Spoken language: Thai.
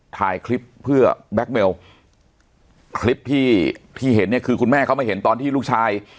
ถ่ายคลิปเพื่อแบ็คเมลคลิปที่ที่เห็นเนี่ยคือคุณแม่เขามาเห็นตอนที่ลูกชาย